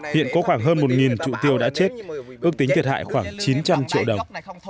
hiện có khoảng hơn một trụ tiêu đã chết ước tính thiệt hại khoảng chín trăm linh triệu đồng